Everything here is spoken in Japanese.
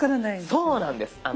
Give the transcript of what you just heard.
そうなんです。